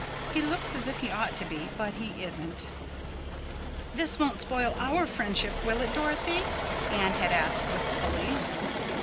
He looks as if he ought to be, but he isn't." "This won't spoil our friendship, will it, Dorothy?" Anne had asked wistfully.